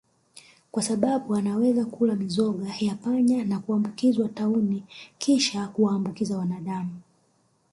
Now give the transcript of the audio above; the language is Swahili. kwa sbabu anaweza kula mizoga ya panya na kuambukizwa tauni kisha kuwaambukiza wanadamu